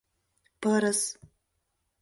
— Пырыс.